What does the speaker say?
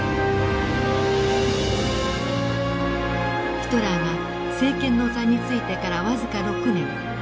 ヒトラーが政権の座に就いてから僅か６年。